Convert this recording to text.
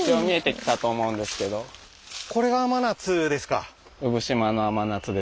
これが甘夏ですか。